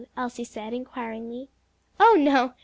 Elsie said, inquiringly. "Oh no!